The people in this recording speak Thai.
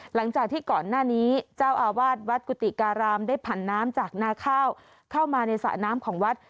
หลังจากที่ก่อนหน้านี้เจ้าอาวาสวัดกุฏิการามได้ผันน้ำจากนาข้าวเข้ามาในสระน้ำของวัด